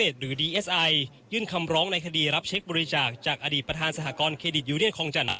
เธอได้กิี้รับเช็คบริจากจากอนาคตสหกรคยของจันทร์